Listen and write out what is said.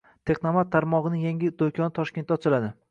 Texnomart tarmog'ining yangi do'koni Toshkentda ochiladi